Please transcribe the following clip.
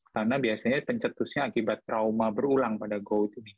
karena biasanya pencetusnya akibat trauma berulang pada go